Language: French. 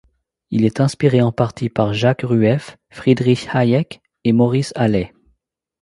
Il est inspiré en partie par Jacques Rueff, Friedrich Hayek et Maurice Allais.